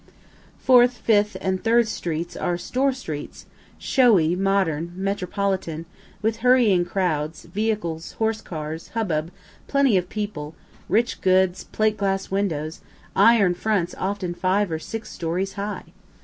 Fourth, Fifth and Third streets are store streets, showy, modern, metropolitan, with hurrying crowds, vehicles, horse cars, hubbub, plenty of people, rich goods, plate glass windows, iron fronts often five or six stories high.